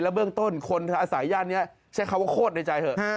เบื้องต้นคนอาศัยย่านนี้ใช้คำว่าโคตรในใจเถอะ